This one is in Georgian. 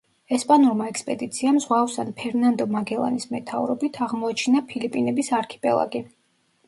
ესპანურმა ექსპედიციამ, ზღვაოსან ფერნანდო მაგელანის მეთაურობით, აღმოაჩინა ფილიპინების არქიპელაგი.